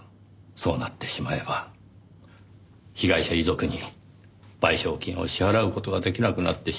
そうなってしまえば被害者遺族に賠償金を支払う事が出来なくなってしまう。